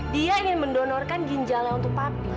dia ingin mendonorkan ginjalnya untuk papi